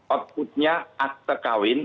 outputnya akte kawin